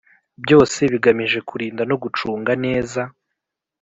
Byose bigamije kurinda no gucunga neza